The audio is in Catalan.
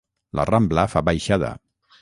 La Rambla fa baixada.